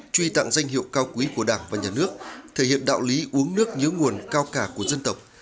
đồng thời ghi nhận danh hiệu cao quý của đảng và nhà nước thể hiện đạo lý uống nước nhớ nguồn cao cả của dân tộc